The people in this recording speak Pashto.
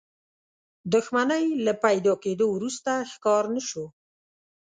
دښمنۍ له پيدا کېدو وروسته ښکار نه شو.